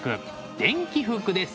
「電気服」です。